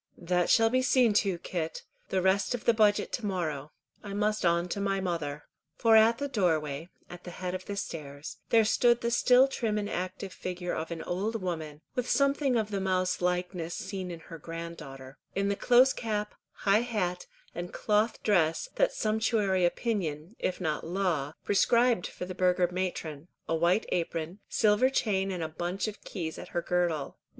"That shall be seen to, Kit. The rest of the budget to morrow. I must on to my mother." For at the doorway, at the head of the stairs, there stood the still trim and active figure of an old woman, with something of the mouse likeness seen in her grand daughter, in the close cap, high hat, and cloth dress, that sumptuary opinion, if not law, prescribed for the burgher matron, a white apron, silver chain and bunch of keys at her girdle.